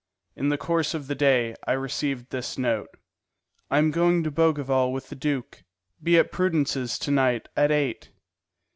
In the course of the day I received this note: "I am going to Bougival with the duke; be at Prudence's to night at eight."